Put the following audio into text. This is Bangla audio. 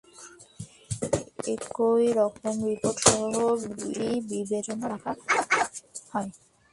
এরকম রিপোর্টসহ বিলটি বিবেচনার জন্য রাখা হয়।